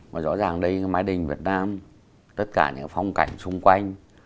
và rõ ràng đây cái mái đình việt nam tất cả những phong cảnh xung quanh